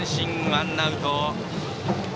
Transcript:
ワンアウト。